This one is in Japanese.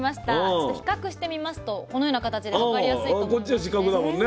ちょっと比較してみますとこのような形で分かりやすいと思いますね。